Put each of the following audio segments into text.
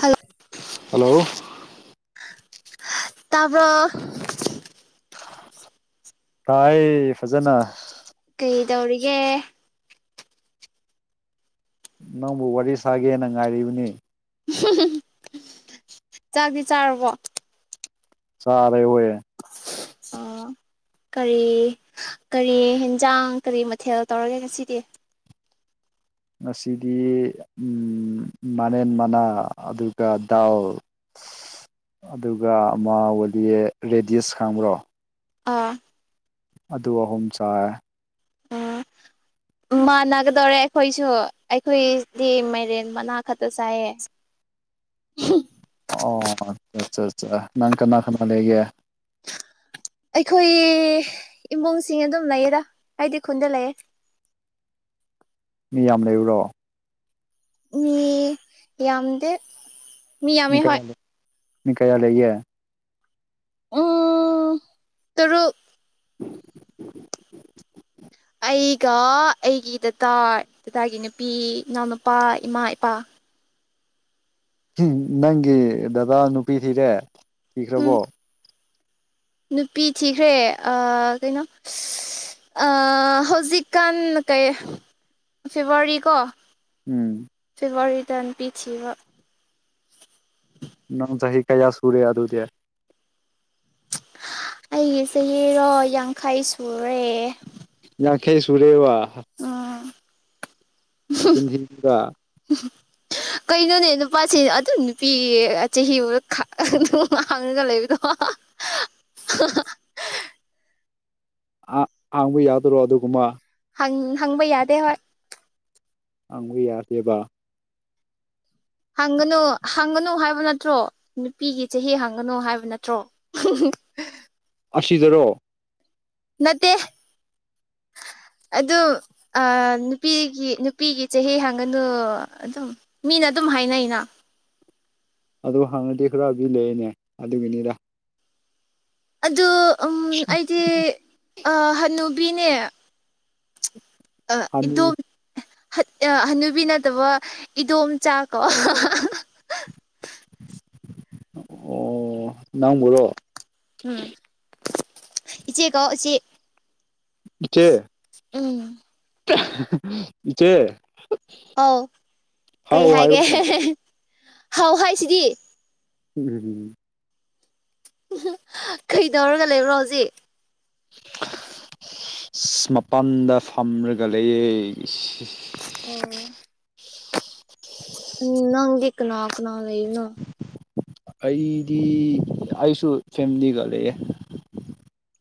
Hello hello ꯇꯕ ꯁꯥꯏ ꯐꯖꯅ ꯀꯩ ꯇꯧꯔꯤꯒꯦ ꯅꯪꯕꯨ ꯋꯥꯔꯤ ꯁꯥꯒꯦꯅ ꯉꯥꯏꯔꯤꯕꯅꯤ ꯍ [unintelligible] ꯆꯥꯛꯗꯤ ꯆꯥꯔꯕꯣ ꯆꯔꯦ ꯑꯣꯏꯌꯦ ꯑꯣ ꯀꯔꯤ ꯀꯔꯤ ꯑꯦꯟꯖꯥꯡ ꯀꯔꯤ ꯃꯊꯦꯜ ꯇꯧꯔꯒꯦ ꯉꯁꯤꯗꯤ ꯉꯁꯤꯗꯤ ꯎ ꯃꯅꯦꯟ ꯃꯅꯥ ꯑꯗꯨꯒ ꯗꯥꯎ ꯑꯗꯨꯒ ꯑꯃꯒꯗꯤꯌꯦ ꯔꯦꯗꯤꯁ ꯈꯪꯕ꯭ꯔꯣ ꯑꯥ ꯑꯗꯨ ꯑꯍꯨꯝ ꯆꯥꯏꯦ ꯎꯝ ꯃꯥꯟꯅꯒꯗꯧꯔꯦ ꯑꯩꯈꯣꯏꯁꯨ ꯑꯩꯈꯣꯏꯗꯤ ꯃꯥꯏꯔꯦꯟ ꯃꯅꯥ ꯈꯛꯇ ꯆꯥꯏꯌꯦ [unintelligible] ꯑꯣ ꯑ ꯑꯆꯥ ꯑ ꯅꯪ ꯀꯅꯥ ꯀꯅꯥ ꯂꯩꯒꯦ ꯑꯩꯈꯣꯏ ꯏꯃꯨꯡꯁꯤꯡ ꯑꯗꯨꯝ ꯂꯩꯌꯦꯔ ꯍꯥꯏꯗꯤ ꯈꯨꯟꯗ ꯂꯩꯌꯦ ꯃꯤ ꯌꯥꯝ ꯂꯩꯔꯨꯔꯣ ꯃꯤ ꯌꯥꯝꯗꯦ ꯃꯤ ꯌꯥꯝꯃꯦ ꯍꯣꯏ ꯀꯥꯌꯥ ꯂꯩ ꯃꯤ ꯀꯌꯥ ꯂꯩꯒꯦ ꯎꯝ ꯇꯔꯨꯛ ꯑꯩꯒ ꯑꯩꯒꯤ ꯗꯥꯗꯥ ꯗꯥꯗꯥꯒꯤ ꯅꯨꯄꯤ ꯏꯅꯥꯎꯅꯨꯄꯥ ꯏꯃꯥ ꯏꯄꯥ ꯅꯪꯒꯤ ꯗꯗꯥ ꯅꯨꯄꯤ ꯊꯤꯔꯦ ꯎꯝ ꯊꯤꯈ꯭ꯔꯕꯣ ꯅꯨꯄꯤ ꯊꯤꯈ꯭ꯔꯦ ꯀꯩꯅꯣ ꯍꯧꯖꯤꯛꯀꯥꯟ ꯀꯩ ꯐꯦꯕꯋꯥꯔꯤ ꯀꯣ ꯎꯝ ꯐꯤꯕꯋꯥꯔꯤꯇꯟ ꯄꯤꯊꯤꯕ [inaudible] ꯅꯪ ꯆꯍꯤ ꯀꯌꯥ ꯁꯨꯔꯦ ꯑꯗꯨꯗꯤ ꯑꯩꯒꯤ ꯆꯍꯤꯔꯣ ꯌꯥꯡꯈꯩ ꯁꯨꯔꯦ ꯌꯥꯡꯈꯩ ꯁꯨꯔꯦꯕ ꯎꯝ ꯅꯆꯤꯟ ꯊꯤꯒꯅꯨꯗꯥ [unintelligible] ꯀꯩꯅꯣꯅꯦ ꯅꯨꯄꯥꯁꯦ ꯑꯗꯨꯝ ꯅꯨꯄꯤ ꯆꯍꯤ ꯎꯕ ꯈꯪ ꯑꯗꯨꯝ ꯍꯥꯡꯉꯒ ꯂꯩꯕꯗꯣ [unintelligible] ꯍꯥ ꯍꯥꯡꯕ ꯌꯥꯗꯔꯣ ꯑꯗꯨꯒꯨꯝꯕ ꯍꯪ ꯍꯪꯕ ꯌꯥꯗꯦ ꯍꯣꯏ ꯍꯪꯕ ꯌꯥꯗꯦꯕ ꯍꯪꯒꯅꯨ ꯍꯪꯒꯅꯨ ꯍꯥꯏꯕ ꯅꯠꯇ꯭ꯔꯣ ꯅꯨꯄꯤꯒꯤ ꯆꯍꯤ ꯍꯪꯒꯅꯨ ꯍꯥꯏꯕ ꯅꯠꯇ꯭ꯔꯣ ꯍꯝꯍꯝ ꯑꯁꯤꯗꯔꯣ ꯅꯠꯇꯦ ꯑꯗꯨ ꯑ ꯅꯨꯄꯤꯒꯤ ꯅꯨꯄꯤꯒꯤ ꯆꯍꯤ ꯍꯥꯡꯒꯅꯨ ꯑꯗꯨꯝ ꯃꯤꯅ ꯑꯗꯨꯝ ꯍꯥꯏꯅꯩꯩꯅ ꯑꯗꯣ ꯍꯪꯔꯗꯤ ꯈꯔꯗꯤ ꯂꯩꯌꯦꯅꯦ ꯑꯗꯨꯒꯤꯅꯤꯗ ꯑꯗꯨ ꯎꯜ ꯑꯩꯗꯤ ꯑ ꯍꯟꯅꯨꯕꯤꯅꯦ ꯍꯅꯨ ꯍꯟ ꯑ ꯍꯅꯨꯕꯤ ꯅꯠꯇꯕ ꯏꯗꯣꯝꯆꯥ ꯀꯣ ꯑꯣ ꯅꯪꯕꯨꯔꯣ ꯎꯝ ꯏꯆꯦ ꯀꯧ ꯏꯆꯦ ꯏꯆꯦ ꯎꯝ ꯏꯆꯦ ꯑꯧ ꯀꯩ ꯍꯥꯎ ꯍꯥꯏꯒꯦ ꯍꯥꯏꯔꯣꯅꯦ ꯍꯥꯎ ꯍꯥꯏꯁꯤꯗꯤ ꯎꯝ ꯀꯩꯗꯧꯔꯒ ꯂꯩꯕ꯭ꯔꯣ ꯍꯧꯖꯤꯛ ꯑꯁ ꯃꯄꯥꯟꯗ ꯐꯝꯔꯒ ꯂꯩꯌꯦ ꯑꯣ ꯎꯝ ꯅꯪꯒꯤ ꯀꯅꯥ ꯀꯅꯥ ꯂꯩꯕꯅꯣ ꯑꯩꯗꯤ ꯑꯩꯁꯨ ꯐꯦꯃꯂꯤꯒ ꯂꯩꯑꯦ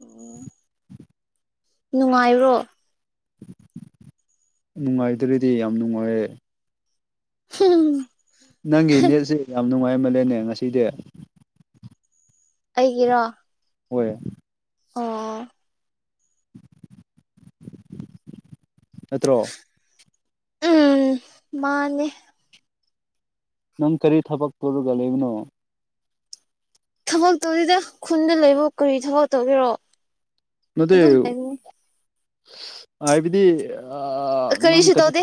ꯑꯣ ꯅꯨꯡꯉꯥꯏꯕ꯭ꯔꯣ ꯅꯨꯡꯉꯥꯏꯗ꯭ꯔꯗꯤ ꯌꯥꯝ ꯅꯨꯡꯉꯥꯏꯌꯦ ꯍꯝꯍꯝꯍꯝ ꯅꯪꯒꯤ ꯅꯦꯠꯁꯦ ꯌꯥꯝ ꯅꯨꯡꯉꯥꯏꯃꯜꯂꯦꯅꯦ ꯉꯁꯤꯗꯤ ꯑꯩꯒꯤꯔꯣ ꯍꯣꯏ ꯑꯣ ꯅꯠꯇ꯭ꯔꯣ ꯎꯝ ꯃꯥꯅꯦ ꯅꯪ ꯀꯔꯤ ꯊꯕꯛ ꯇꯧꯔꯒ ꯂꯩꯕꯅꯣ ꯊꯕꯛ ꯇꯧꯗꯦꯗ ꯈꯨꯟꯗ ꯂꯩꯕꯕꯨ ꯀꯔꯤ ꯊꯕꯛ ꯇꯧꯒꯦꯔꯣ ꯅꯠꯇꯦ ꯑꯗꯨꯝ ꯂꯩꯕꯅꯤ ꯍꯥꯏꯕꯗꯤ ꯑꯤ ꯀꯔꯤꯁꯨ ꯇꯧꯗꯦ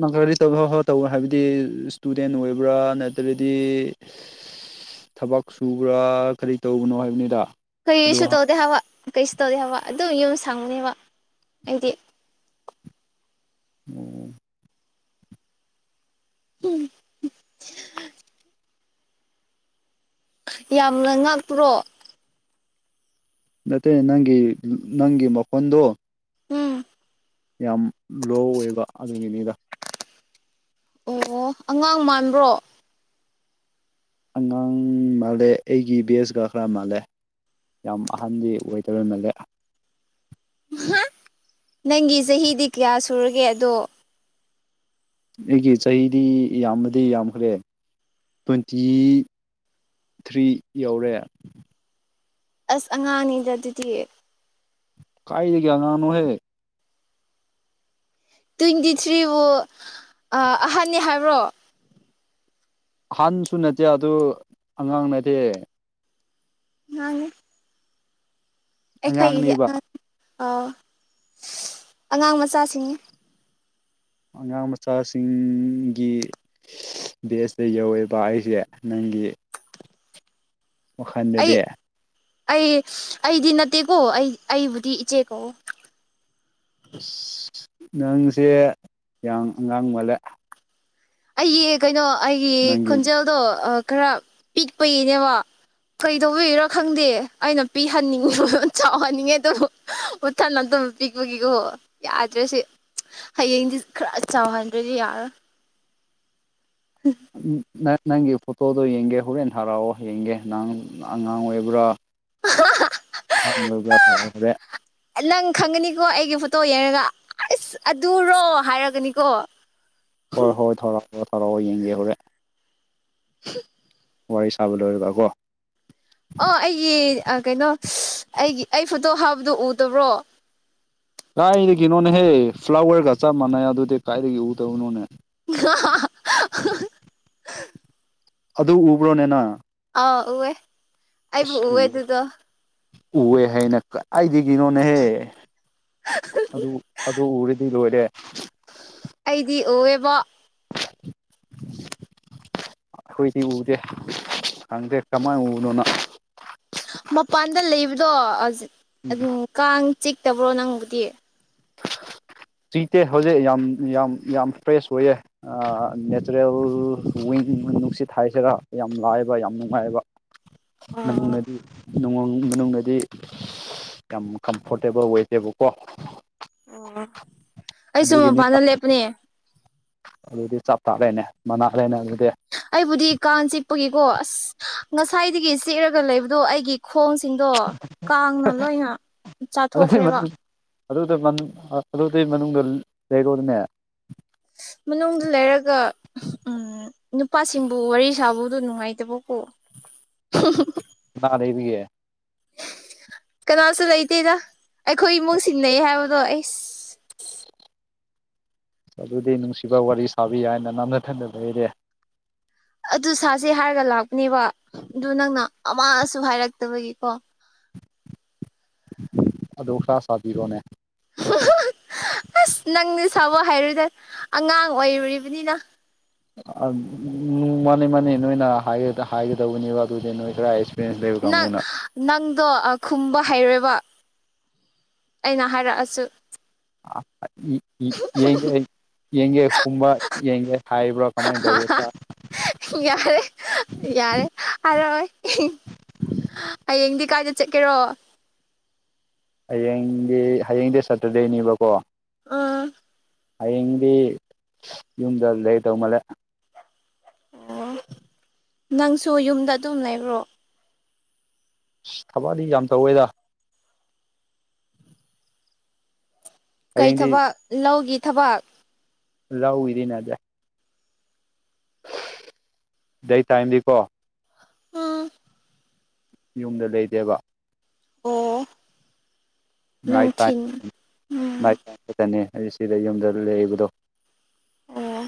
ꯅꯪ ꯀꯔꯤ ꯊꯕꯛ [unintelligible] ꯍꯥꯏꯕꯗꯤ ꯏꯁꯇꯨꯗꯦꯟ ꯑꯣꯏꯕ꯭ꯔꯥ ꯅꯠꯇ꯭ꯔꯗꯤ ꯊꯕꯛ ꯁꯨꯕ꯭ꯔꯥ ꯀꯔꯤ ꯇꯧꯕꯅꯣ ꯍꯥꯏꯕꯅꯤꯗ ꯑꯗꯣ ꯀꯩꯁꯨ ꯇꯧꯗꯦ ꯍꯥꯏꯕ ꯀꯩꯁꯨ ꯇꯧꯗꯦ ꯍꯥꯏꯕ ꯑꯗꯨꯝ ꯌꯨꯝ ꯁꯪꯅꯦꯕ ꯑꯩꯗꯤ [inaudible] ꯎꯝ ꯌꯥꯝꯅ ꯉꯥꯛꯇꯄ꯭ꯔꯣ ꯅꯠꯇꯦ ꯅꯪꯒꯤ ꯅꯪꯒꯤ ꯃꯈꯣꯟꯗꯣ ꯎꯝ ꯌꯥꯝ ꯂꯣ ꯑꯣꯏꯕ ꯑꯗꯨꯒꯤꯅꯤꯗ ꯑꯣ ꯑꯉꯥꯡ ꯃꯥꯟꯕ꯭ꯔꯣ ꯑꯉꯥꯡ ꯃꯥꯜꯂꯦ ꯑꯩꯒꯤ ꯕꯦꯁꯀ ꯈꯔ ꯃꯥꯜꯂꯦ ꯌꯥꯝ ꯑꯍꯟꯗꯤ ꯑꯣꯏꯗꯕꯣꯏ ꯃꯜꯂꯦ ꯅꯪꯒꯤ ꯆꯍꯤꯗꯤ ꯀꯌꯥ ꯁꯨꯔꯒꯦ ꯑꯗꯣ ꯑꯩꯒꯤ ꯆꯍꯤꯗꯤ ꯌꯥꯝꯕꯗꯤ ꯌꯥꯝꯈ꯭ꯔꯦ ꯇ꯭ꯋꯦꯟꯇꯤ ꯊ꯭ꯔꯤ ꯌꯧꯔꯦ ꯑꯁ ꯑꯉꯥꯡ ꯑꯅꯤꯗ ꯑꯗꯨꯗꯤ ꯀꯥꯏ ꯂꯩꯒ ꯉꯅꯨꯍꯦ ꯇ꯭ꯋꯦꯟꯇꯤ ꯊ꯭ꯔꯤꯕꯨ ꯑꯍꯟꯅꯅꯤ ꯍꯥꯏꯕ꯭ꯔꯣ ꯑꯍꯟꯁꯨ ꯅꯠꯇꯦ ꯑꯗꯨ ꯑꯉꯥꯡ ꯅꯠꯇꯦ ꯃꯥꯅꯦ ꯑꯩꯈꯣꯏꯒꯤꯗꯤ ꯑꯉꯥꯡꯅꯦꯕ ꯑꯉꯥꯡ ꯑꯥꯎ ꯑꯉꯥꯡ ꯃꯆꯥꯁꯤꯡꯅꯤ ꯑꯉꯥꯡ ꯃꯆꯥꯁꯤꯡꯒꯤ ꯕꯦꯁꯇ ꯌꯧꯋꯦꯕ ꯑꯩꯁꯦ ꯅꯪꯒꯤ ꯑꯣ ꯈꯥꯟꯗ ꯗꯦ ꯑꯩ ꯑꯩ ꯑꯩꯗꯤ ꯅꯠꯇꯦꯀꯣ ꯑꯩ ꯑꯩꯕꯨꯗꯤ ꯏꯆꯦꯀꯣ ꯑꯁ ꯅꯪꯁꯦ ꯌꯥꯝ ꯑꯉꯥꯡ ꯃꯥꯜꯂꯦ ꯑꯩꯒꯤ ꯀꯩꯅꯣ ꯑꯩꯒꯤ ꯅꯪꯒꯤ ꯈꯣꯟꯖꯦꯜꯗꯣ ꯈꯔ ꯄꯤꯛꯄꯒꯤꯅꯦꯕ ꯀꯩꯗꯧꯕꯤꯔꯣ ꯈꯪꯗꯦ ꯑꯩꯅ ꯄꯤꯍꯟꯅꯤꯡꯉꯤꯣꯟ ꯆꯥꯎꯍꯟꯅꯤꯡꯉꯦ ꯑꯗꯨ ꯃꯊꯟ ꯑꯇꯕ ꯄꯤꯛꯄꯒꯤꯀꯣꯣ ꯌꯥꯗ꯭ꯔꯁꯤ ꯍꯌꯦꯡꯗꯤ ꯈꯔ ꯆꯥꯎꯍꯟꯗ꯭ꯔꯗꯤ ꯌꯥꯔꯣ ꯅꯪꯒꯤ ꯐꯣꯇꯣꯗꯣ ꯌꯦꯡꯒꯦ ꯍꯣꯔꯦꯟ ꯊꯔꯛꯑꯣ ꯌꯦꯡꯒꯦ ꯅꯪ ꯑꯉꯥꯡ ꯑꯣꯏꯕ꯭ꯔꯥ [unintelligible] ꯅꯪ ꯈꯪꯒꯅꯤꯀꯣ ꯑꯩꯒꯤ ꯐꯣꯇꯣ ꯌꯦꯡꯉꯒ ꯑꯁ ꯑꯗꯨꯔꯣ ꯍꯥꯏꯔꯒꯅꯤꯀꯣ ꯍꯣꯏ ꯍꯣꯏ ꯊꯧꯔꯛꯑꯣ ꯊꯧꯔꯛꯑꯣ ꯌꯦꯡꯒꯦ ꯍꯣꯔꯦꯟ ꯋꯥꯔꯤ ꯁꯥꯕ ꯂꯣꯏꯔꯤꯕ ꯀꯣ ꯑꯣ ꯑꯩꯒꯤ ꯀꯩꯅꯣ ꯑꯩꯒꯤ ꯑꯩ ꯐꯣꯇꯣ ꯍꯥꯞꯕꯗꯣ ꯎꯗꯕ꯭ꯔꯣ ꯀꯥꯏꯗꯒꯤꯅꯣꯅꯦꯍꯦ ꯐ꯭ꯂꯥꯋꯔꯒ ꯆꯞ ꯃꯥꯟꯅꯩ ꯑꯗꯨꯗꯤ ꯀꯥꯏꯗꯒꯤ ꯎꯗꯧꯅꯣꯅꯦ [unintelligible] [unintelligible] ꯑꯗꯨ ꯎꯕ꯭ꯔꯣꯅꯦꯅ ꯑꯥ ꯎꯋꯦ ꯑꯁ ꯎ ꯎꯍꯦ ꯍꯥꯏꯅ ꯀ ꯑꯩꯗꯤ ꯀꯅꯣꯅꯦꯍꯦ ꯑꯗꯨ ꯑꯗꯨ ꯎꯔꯗꯤ ꯂꯣꯏꯔꯦ ꯑꯩꯗꯤ ꯑꯣꯏꯑꯦꯕ ꯑꯩꯈꯣꯏꯗꯤ ꯎꯗꯦ ꯈꯪꯗꯦ ꯀꯃꯥꯏꯅ ꯎꯕꯅꯣꯅꯣ ꯃꯄꯥꯟꯗ ꯂꯩꯕꯗꯣ ꯀꯥꯡ ꯆꯤꯛꯇꯕ꯭ꯔꯣ ꯅꯪꯕꯨꯗꯤ [inaudible] ꯆꯤꯇꯦ ꯍꯧꯖꯤꯛ ꯌꯥꯝ ꯌꯥꯝ ꯌꯥꯝ ꯐ꯭ꯔꯦꯁ ꯑꯣꯏꯌꯦ ꯅꯦꯆꯔꯦꯜ ꯋꯤꯡ ꯅꯨꯡꯁꯤꯠ ꯊ ꯍꯥꯏꯁꯤꯔ ꯌꯥꯝ ꯂꯥꯏꯕ ꯌꯥꯝ ꯅꯨꯡꯉꯥꯏꯕ [unintelligible] ꯗꯤ ꯅꯨꯡꯉ ꯑꯣ ꯏꯨꯡ ꯃꯅꯨꯡꯗꯗꯤ ꯌꯥꯝ ꯀꯝꯐꯣꯔꯇꯦꯕꯜ ꯑꯣꯏꯇꯦꯕꯀꯣ ꯑꯣ ꯑꯩꯁꯨꯨꯝ ꯃꯄꯥꯟꯅ ꯑꯗꯨꯒꯤꯅꯤꯗ ꯂꯦꯞꯄꯅꯦ ꯑꯗꯨꯗꯤ ꯆꯞꯇꯥꯔꯦꯅꯦ ꯃꯅꯥ ꯂꯩꯅꯔꯦꯗꯤ꯫ ꯑꯩꯕꯨꯗꯤ ꯀꯥꯡ ꯆꯤꯛꯄꯒꯤꯀꯣ ꯑꯁ ꯉꯁꯥꯏꯗꯒꯤ ꯆꯤꯛꯂꯒ ꯂꯩꯕꯗꯣ ꯑꯩꯒꯤ꯫ ꯈꯣꯟꯁꯤꯡꯗꯣ ꯀꯥꯡꯅ ꯂꯣꯏꯅ ꯑꯗꯨꯗꯤ ꯆꯥꯊꯣꯛꯈ꯭ꯔꯦꯕ꯫ ꯑꯗꯨꯗ ꯃꯅꯨ ꯑꯗꯨꯗꯤ ꯃꯅꯨꯡꯗ ꯂꯩꯔꯣꯅꯦ꯫ ꯃꯅꯨꯡꯗ ꯂꯩꯔꯒ ꯎꯝ ꯅꯨꯄꯥꯁꯤꯡꯕꯨ ꯋꯥꯔꯤ ꯁꯥꯕꯗꯣ ꯅꯨꯡꯉꯥꯏꯇꯕꯀꯣ꯫ ꯇꯥꯗꯦꯕꯤ ꯀꯅꯥꯁꯨ ꯂꯩꯇꯦꯗ ꯑꯩꯈꯣꯏ ꯏꯃꯨꯡ ꯁꯤꯟꯅꯩ ꯍꯥꯏꯕꯗꯣ ꯑꯩꯁ ꯑꯗꯨꯗꯤ ꯅꯨꯡꯁꯤꯕ ꯋꯥꯔꯤ ꯁꯥꯕꯤ ꯌꯥ ꯍꯥꯏꯅ ꯅꯝꯊ ꯊꯟꯖꯕ ꯂꯩꯔꯦ ꯑꯗꯨ ꯁꯥꯁꯦ ꯍꯥꯏꯔꯒ ꯂꯥꯛꯄꯅꯦꯕ ꯑꯗꯨ ꯅꯪꯅ ꯑꯃꯁꯨ ꯍꯥꯏꯔꯛꯇꯕꯒꯤꯀꯣ꯫ ꯑꯗꯨ ꯈꯔ ꯁꯥꯕꯤꯔꯣꯅꯦ꯫ ꯑꯁ ꯅꯪꯅ ꯁꯥꯕ ꯍꯥꯏꯔꯣꯏꯗ ꯑꯉꯥꯡ ꯑꯣꯏꯔꯤꯕꯅꯤꯅ꯫ ꯎꯝ ꯃꯥꯅꯤ ꯃꯥꯅꯤ ꯅꯣꯏꯅ ꯍꯥꯏꯒ ꯍꯥꯏꯒꯗꯧꯕꯅꯦꯕ ꯑꯗꯨꯗꯤ ꯅꯣꯏ ꯀꯔꯥꯏ꯫ ꯅꯪ ꯅꯪꯗꯣ ꯈꯨꯝꯕ ꯍꯩꯔꯣꯏꯕ ꯑꯩꯅ ꯍꯥꯏꯔꯛꯑꯁꯨ꯫ ꯑꯥ ꯑ ꯏ ꯏ ꯌꯦꯡꯒꯦ ꯌꯦꯡꯒꯦ ꯍꯨꯝꯕ ꯌꯦꯡꯒꯦ ꯍꯥꯏꯕ꯭ꯔꯥ ꯀꯃꯥꯏꯅ ꯇꯧꯕ꯭ꯔꯣ꯫ ꯌꯥꯔꯦ ꯌꯥꯔꯦ ꯍꯥꯏꯔꯛꯑꯣꯏ꯫ ꯍꯌꯦꯡꯗꯤ ꯀꯥꯏꯗ ꯆꯠꯀꯦꯔꯣ꯫ ꯍꯌꯦꯡꯗꯤ ꯍꯌꯦꯡꯗꯤ ꯁꯇꯔꯗꯦꯅꯦꯕꯀꯣ꯫ ꯑꯥ ꯍꯌꯦꯡꯗꯤ ꯌꯨꯝꯗ ꯂꯩꯗꯧ ꯃꯥꯜꯂꯦ꯫ ꯑꯣ ꯅꯪꯁꯨ ꯌꯨꯝꯗ ꯑꯗꯨꯝ ꯂꯩꯕ꯭ꯔꯣ꯫ ꯊꯕꯛꯇꯤ ꯌꯥꯝ ꯇꯧꯋꯤꯗ꯫ ꯀꯩ ꯍꯌꯦꯡꯗꯤ ꯊꯕꯛ ꯂꯧꯒꯤ ꯊꯕꯛ ꯂꯧꯒꯤꯗꯤ ꯅꯠꯇꯦ ꯗꯦ ꯇꯥꯏꯝꯗꯤꯀꯣ ꯎꯝ ꯌꯨꯝꯗ ꯂꯩꯇꯦꯕ ꯑꯣ ꯅꯥꯏꯠ ꯇꯥꯏꯝ ꯅꯨꯡꯊꯤꯟ ꯎꯝ ꯅꯥꯏꯠ ꯇꯥꯏꯝ ꯈꯛꯇꯅꯦ ꯑꯩ ꯁꯤꯗ ꯌꯨꯝꯗ ꯂꯩꯕꯗꯣ꯫ ꯑꯣ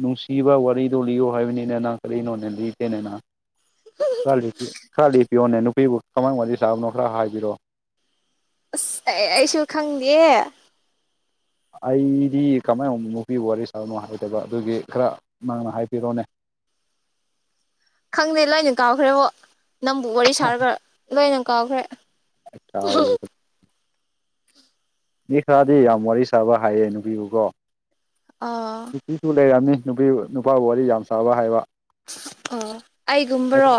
ꯅꯨꯡꯁꯤꯕ ꯋꯥꯔꯤꯗꯣ ꯂꯤꯌꯣ ꯍꯥꯏꯕꯅꯤꯅꯦ ꯅꯪ ꯀꯔꯤꯅꯣꯅꯦ ꯂꯤꯗꯦꯅꯦ ꯅꯪ꯫ ꯈ ꯂꯤꯄꯤ ꯈꯔ ꯂꯤꯄꯤꯌꯣꯅꯦ ꯅꯨꯄꯤꯕꯨ ꯀꯃꯥꯏꯅ ꯋꯥꯔꯤ ꯁꯥꯕꯅꯣ ꯈꯔ ꯍꯥꯏꯕꯤꯔꯣ꯫ ꯑꯁ ꯑꯩ ꯑꯩꯁꯨ ꯈꯪꯗꯤꯌꯦ꯫ ꯑꯩꯗꯤ ꯀꯃꯥꯏꯅ ꯅꯨꯄꯤꯒ ꯋꯥꯔꯤ ꯁꯥꯕꯅꯣ ꯍꯩꯇꯦꯕ ꯑꯗꯨꯒꯤ ꯈꯔ ꯅꯪꯅ ꯍꯥꯏꯕꯤꯔꯣꯅꯦ꯫ ꯈꯪꯗꯦ ꯂꯣꯏꯅ ꯀꯥꯎꯈ꯭ꯔꯦꯕꯣ ꯅꯪꯕꯨ ꯋꯥꯔꯤ ꯁꯥꯔꯒ ꯂꯣꯏꯅ ꯀꯥꯎꯈ꯭ꯔꯦ꯫ [unintelligible] ꯃꯤ ꯈꯔꯗꯤ ꯌꯥꯝ ꯋꯥꯔꯤ ꯁꯥꯕ ꯍꯩꯌꯦ ꯅꯨꯄꯤꯕꯨꯀꯣ꯫ ꯑꯥ ꯅꯨꯄꯤꯁꯨ ꯂꯩꯔꯝꯅꯤ ꯅꯨꯄꯤ ꯅꯨꯄꯥꯕꯨ ꯋꯥꯔꯤ ꯌꯥꯝ ꯁꯥꯕ ꯍꯩꯕ꯫ ꯑꯣ ꯑꯩꯒꯨꯝꯕꯔꯣ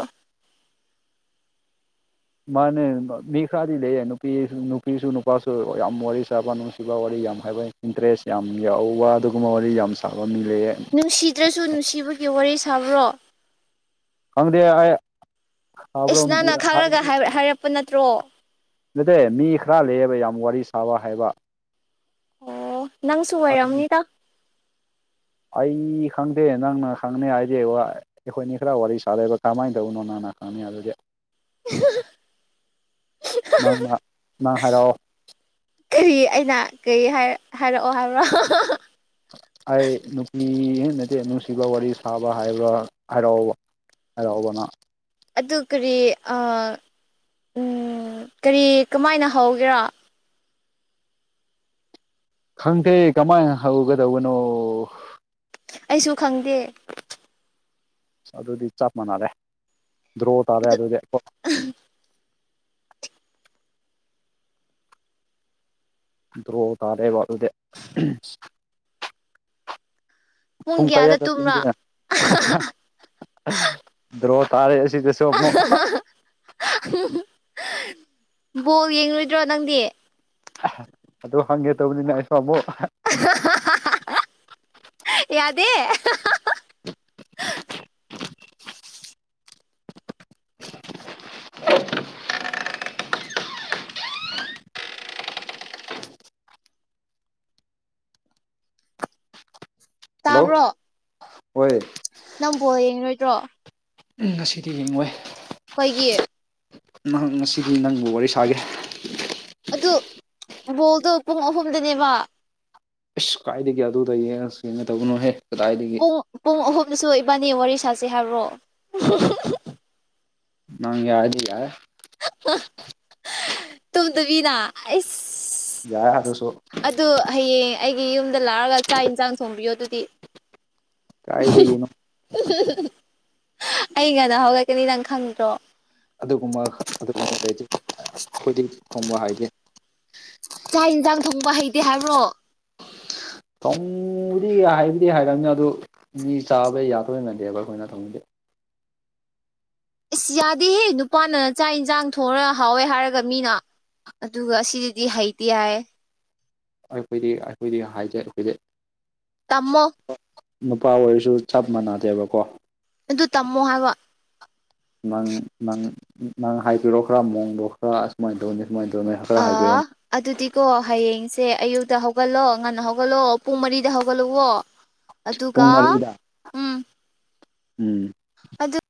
ꯃꯥꯅꯦ ꯃꯤ ꯈꯔꯗꯤ ꯂꯩꯌꯦ ꯅꯨꯄꯤ ꯅꯨꯄꯤꯁꯨ ꯅꯨꯄꯥꯁꯨ ꯌꯥꯝ ꯋꯥꯔꯤ ꯁꯥꯕ ꯅꯨꯡꯁꯤꯕ ꯋꯥꯔꯤ ꯌꯥꯝ ꯍꯩꯕ꯫ ꯏꯟꯇꯔꯦꯁ ꯌꯥꯝ ꯌꯥꯎꯕ ꯑꯗꯨꯒꯨꯝꯕ ꯋꯥꯔꯤ ꯌꯥꯝ ꯁꯥꯕ ꯃꯤ ꯂꯩꯌꯦ꯫ ꯅꯨꯡꯁꯤꯗ꯭ꯔꯁꯨ ꯅꯨꯡꯁꯤꯕꯒꯤ ꯋꯥꯔꯤ ꯁꯥꯕ꯭ꯔꯣ꯫ ꯈꯪꯗꯦ ꯑꯩ ꯏꯁ ꯁꯥꯕ꯭ꯔꯣ ꯅꯪꯅ ꯈꯪꯉꯒ ꯍꯥꯏ ꯍꯥꯏꯔꯛꯄ ꯅꯠꯇ꯭ꯔꯣ꯫ ꯅꯠꯇꯦ ꯃꯤ ꯈꯔ ꯂꯩꯌꯦꯕ ꯌꯥꯝ ꯋꯥꯔꯤ ꯁꯥꯕ ꯍꯩꯕ꯫ ꯑꯣ ꯅꯪꯁꯨ ꯑꯣꯏꯔꯝꯅꯤꯗ ꯑꯩ ꯈꯪꯗꯦ ꯅꯪꯅ ꯈꯪꯅꯤ ꯍꯥꯏꯗꯤ ꯋꯥꯏ ꯑꯩꯈꯣꯏꯅꯤ ꯈꯔ ꯋꯥꯔꯤ ꯁꯥꯔꯦꯕ ꯀꯃꯥꯏꯅ ꯇꯧꯕꯅꯣ ꯅꯪꯅ ꯈꯪꯅꯤ ꯑꯗꯨꯗꯤ꯫ [unintelligible] ꯅꯪꯅ ꯅꯪ ꯍꯥꯏꯔꯛꯑꯣ ꯀꯔꯤ ꯑꯩꯅ ꯀꯔꯤ ꯍꯥꯏ ꯍꯥꯏꯔꯛꯑꯣ ꯍꯥꯏꯕꯔꯣ꯫ ꯑꯩ ꯅꯨꯄꯤ ꯍꯩꯅꯗꯦ ꯅꯨꯡꯁꯤꯕ ꯋꯥꯔꯤ ꯁꯥꯕ ꯍꯥꯏꯕ ꯍꯥꯏꯔꯛꯑꯣꯕ꯫ ꯍꯥꯏꯔꯛꯑꯣꯕꯅꯪ꯫ ꯑꯗꯨ ꯀꯔꯤ ꯑ ꯎꯝ ꯀꯔꯤ ꯀꯃꯥꯏꯅ ꯍꯧꯒꯦꯔꯥ꯫ ꯈꯪꯗꯦ ꯀꯃꯥꯏꯅ ꯍꯧꯒꯗꯕꯅꯣ꯫ ꯑꯩꯁꯨ ꯈꯪꯗꯦ꯫ ꯑꯗꯨꯗꯤ ꯆꯞ ꯃꯥꯟꯅꯔꯦ ꯗ꯭ꯔꯣ ꯇꯥꯔꯦ ꯑꯗꯨꯗꯤꯀꯣ꯫ [unintelligible] ꯗ꯭ꯔꯣ ꯇꯥꯔꯦꯕ ꯑꯗꯨꯗꯤ꯫ ꯄꯨꯡ ꯀꯌꯥꯗ ꯊꯨꯝꯒꯦ ꯗ꯭ꯔꯣ ꯇꯥꯔꯦ ꯑꯁꯤꯗ ꯕꯣꯜ ꯌꯦꯡꯂꯣꯏꯗ꯭ꯔꯣ ꯅꯪꯗꯤ꯫ ꯑꯗꯨ ꯍꯪꯒꯦ ꯇꯧꯕꯅꯤꯅ ꯑꯩꯁꯨ ꯑꯃꯨꯛ꯫ ꯌꯥꯗꯦ꯫ [unintelligible] ꯍꯜꯂꯣ ꯇꯥꯕ꯭ꯔꯣ ꯍꯣꯏ ꯅꯪ ꯕꯣꯜ ꯌꯦꯡꯂꯣꯏꯗ꯭ꯔꯣ꯫ ꯎꯝ ꯉꯁꯤꯗꯤ ꯌꯦꯡꯉꯣꯏ꯫ ꯑꯩꯈꯣꯏꯒꯤ꯫ ꯅꯪ ꯉꯁꯤꯗꯤ ꯅꯪꯕꯨ ꯋꯥꯔꯤ ꯁꯥꯒꯦ꯫ ꯑꯗꯨ ꯕꯣꯜꯗꯨ ꯄꯨꯡ ꯑꯍꯨꯝꯗꯅꯦꯕ꯫ ꯏꯁ ꯀꯥꯏꯗꯒꯤ ꯑꯗꯨꯗ ꯌꯦꯡꯉꯁꯨ ꯌꯦꯡꯒꯗꯕꯣꯍꯦ ꯀꯗꯥꯏꯗꯒꯤ꯫ ꯄꯨꯡ ꯄꯨꯡ ꯑꯍꯨꯝꯗꯁꯨ ꯏꯕꯥꯅꯤ ꯋꯥꯔꯤ ꯁꯥꯁꯦ ꯍꯥꯏꯕ꯭ꯔꯣ꯫ ꯅꯪ ꯌꯥꯔꯗꯤ ꯌꯥꯔꯦ꯫ [unintelligible] ꯇꯨꯗꯔꯤꯅ ꯑꯩꯁ꯫ ꯌꯥꯏ ꯑꯗꯨꯁꯨ꯫ ꯑꯗꯨ ꯍꯌꯦꯡ ꯑꯩꯒꯤ ꯌꯨꯝꯗ ꯂꯥꯛꯑꯒ ꯆꯥꯛ ꯏꯟꯖꯥꯡ ꯊꯣꯡꯕꯤꯌꯣ ꯑꯗꯨꯗꯤ꯫ ꯀꯥꯏꯗꯒꯤꯅꯣ꯫ ꯑꯩ ꯉꯟꯅ ꯍꯧꯒꯠꯀꯅꯤ ꯅꯪ ꯈꯪꯗ꯭ꯔꯣ꯫ ꯑꯗꯨꯒꯨꯝꯕ ꯑꯗꯨꯒꯨꯝꯕ ꯂꯩꯇꯦ ꯑꯩꯈꯣꯏꯗꯤ ꯊꯣꯡꯕ ꯍꯩꯇꯦ꯫ ꯆꯥꯛ ꯏꯟꯖꯥꯡ ꯊꯣꯡꯕ ꯍꯩꯇꯦ ꯍꯥꯏꯕ꯭ꯔꯣ꯫ ꯊꯣꯡꯕꯨꯗꯤ ꯍꯥꯏꯕꯨꯗꯤ ꯍꯥꯏꯔꯝꯅꯤ ꯑꯗꯨ ꯃꯤ ꯆꯥꯕ ꯌꯥꯗꯣꯏꯅꯗꯦꯕ ꯑꯩꯈꯣꯏꯅ ꯊꯣꯡꯕꯗꯤ꯫ ꯏꯁ ꯌꯥꯗꯦꯍꯦ ꯅꯨꯄꯥꯅ ꯆꯥꯛ ꯏꯟꯖꯥꯡ ꯊꯣꯡꯔ ꯍꯥꯎꯋꯦ ꯍꯥꯏꯔꯒ ꯃꯤꯅ꯫ ꯑꯗꯨꯒ ꯁꯤꯗꯗꯤ ꯍꯩꯇꯦ ꯍꯥꯏ꯫ ꯑꯩꯈꯣꯏꯗꯤ ꯑꯩꯈꯣꯏꯗꯤ ꯍꯥꯏꯖꯩ ꯑꯩꯈꯣꯏꯗꯤ꯫ ꯇꯝꯃꯣ꯫ ꯅꯨꯄꯥ ꯑꯣꯏꯔꯖꯨ ꯆꯞ ꯃꯥꯟꯅꯗꯦꯕꯀꯣ꯫ ꯑꯗꯨ ꯇꯝꯃꯣ ꯍꯥꯏꯕ꯫ ꯅꯪ ꯅꯪ ꯅꯪ ꯍꯥꯏꯕꯤꯔꯣ ꯈ꯭ꯔꯥ ꯃꯣꯡꯗꯣ ꯈ꯭ꯔꯥ ꯑꯁꯨꯃꯥꯏꯅ ꯇꯧꯅꯤ ꯁꯨꯃꯥꯏꯅ ꯇꯧꯅꯤ ꯍꯥ ꯑꯥ꯫ ꯑꯗꯨꯗꯤꯀꯣ ꯍꯌꯦꯡꯁꯦ ꯑꯌꯨꯛꯇ ꯍꯧꯒꯠꯂꯣ ꯉꯟꯅ ꯍꯧꯒꯠꯂꯣ ꯄꯨꯡ ꯃꯔꯤꯗ ꯍꯧꯒꯠꯂꯨꯒꯣ꯫ [unintelligible] ꯄꯨꯡ ꯃꯔꯤꯗ ꯎꯝ꯫ ꯑꯗꯨ꯫